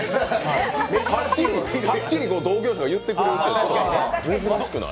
はっきり同業者が言ってくれるのって珍しくない？